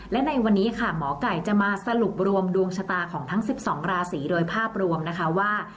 และในวันนี้ค่ะหมอไก่จะมาสรุปรวมดวงชะตาของทั้ง๑๒ราศีโดยภาพรวมนะคะว่า